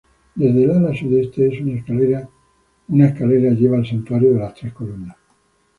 Desde el ala sudoeste una escalera lleva al santuario de las tres columnas.